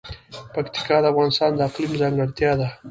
پکتیکا د افغانستان د اقلیم ځانګړتیا ده.